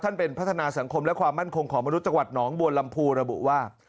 เป็นพัฒนาสังคมและความมั่นคงของมนุษย์จังหวัดหนองบัวลำพูระบุว่า